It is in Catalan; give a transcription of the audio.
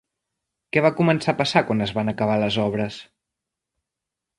Què va començar a passar quan es van acabar les obres?